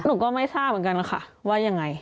หนูก็ไม่ทราบเหมือนกันค่ะว่ายังไง